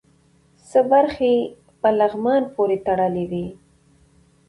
څه برخې یې په لغمان پورې تړلې وې.